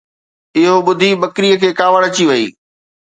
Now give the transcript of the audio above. اهو ٻڌي ٻڪريءَ کي ڪاوڙ اچي وئي